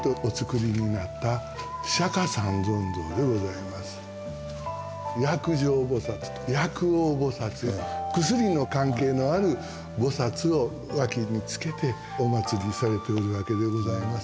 正面の仏様が薬上菩薩と薬王菩薩薬の関係のある菩薩を脇につけておまつりされておるわけでございます。